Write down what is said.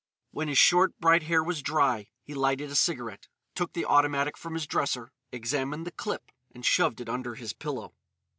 When his short, bright hair was dry, he lighted a cigarette, took the automatic from his dresser, examined the clip, and shoved it under his pillow.